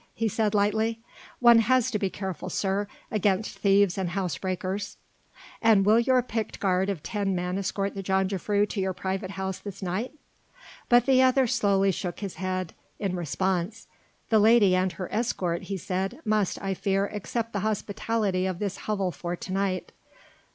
he said lightly. "One has to be careful, sir, against thieves and house breakers." "And will your picked guard of ten men escort the jongejuffrouw to your private house this night?" But the other slowly shook his head in response. "The lady and her escort," he said "must, I fear me, accept the hospitality of this hovel for to night."